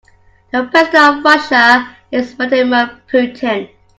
The president of Russia is Vladimir Putin.